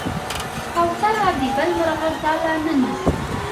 کوتره د بل مرغه ځاله نه نیسي.